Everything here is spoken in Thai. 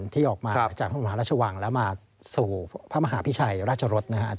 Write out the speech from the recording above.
ที่ออกมาจากพระมหาราชวังแล้วมาสู่พระมหาพิชัยราชรสนะครับ